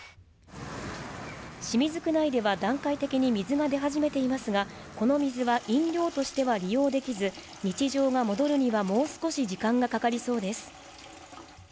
清水区では段階的に水が出始めていますがこの水は飲料としては利用できず日常が戻るにはもう少し時間がかかりそうです